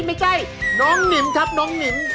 ไม่ใช่น้องหนิมครับน้องหนิม